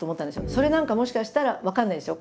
それ何かもしかしたら分かんないですよ